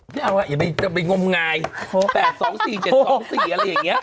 ไม่เอาอ่ะอย่าไปงมงาย๘๒๔๗๒๔อะไรอย่างนี้